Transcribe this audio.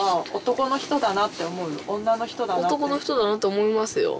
女の人だなって男の人だなって思いますよ